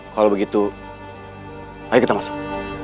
kalau begitu ayo kita masuk